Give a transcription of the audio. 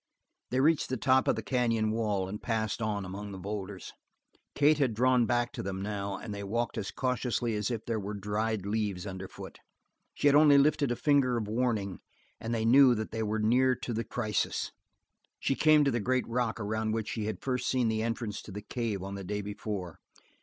They reached the top of the canyon wall and passed on among the boulders. Kate had drawn back to them now, and they walked as cautiously as if there were dried leaves under foot. She had only lifted a finger of warning, and they knew that they were near to the crisis. She came to the great rock around which she had first seen the entrance to the cave on the day before.